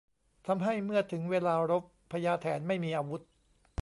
ทำให้เมื่อถึงเวลารบ พญาแถนไม่มีอาวุธ